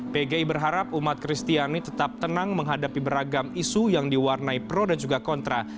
pgi berharap umat kristiani tetap tenang menghadapi beragam isu yang diwarnai pro dan juga kontra